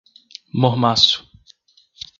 Mormaço